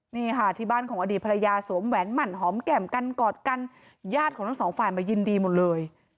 นี่ค่ะที่บ้านของอดีตภรรยาสวมแหวนหมั่นหอมแก่มกันกอดกันญาติของทั้งสองฝ่ายมายินดีหมดเลย